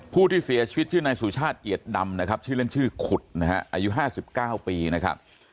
ผู้ที่เสียชีวิตชื่อนายสุชาติเอียดดำนะครับชื่อเล่นชื่อขุดนะฮะอายุ๕๙ปีนะครับ